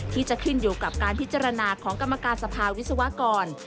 ที่จะขึ้นอยู่กับการพิจารณาของกรรมการสภาวิศวกร